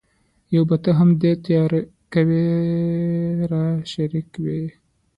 یو به ته هم دې تیارو کي را شریک وای